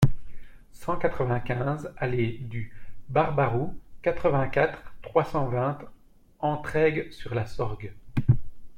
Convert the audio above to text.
cent quatre-vingt-quinze allée du Barbaroux, quatre-vingt-quatre, trois cent vingt, Entraigues-sur-la-Sorgue